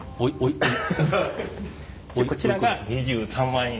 一応こちらが２３万円。